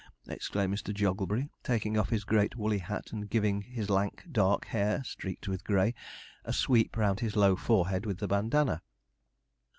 exclaimed Mr. Jogglebury, taking off his great woolly hat, and giving his lank, dark hair, streaked with grey, a sweep round his low forehead with the bandana.